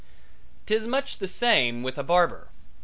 'Tis much the same with a barber.